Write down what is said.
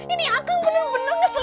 ini akang bener bener ngeselin pisang